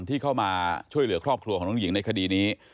ที่เข้ามาช่วยเหลือครอบครัวของน้องหญิงในคดีนี้